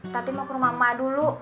tapi mau ke rumah emak dulu